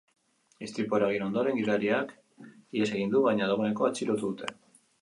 Istripua eragin ondoren, gidariak ihes egin du, baina dagoeneko atxilotu dute.